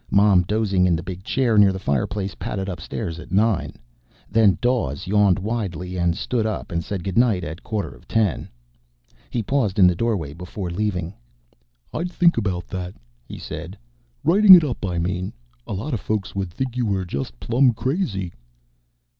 Mom, dozing in the big chair near the fireplace, padded upstairs at nine. Then Dawes yawned widely, stood up, and said goodnight at quarter of ten. He paused in the doorway before leaving. "I'd think about that," he said. "Writing it up, I mean. A lot of folks would think you were just plum crazy."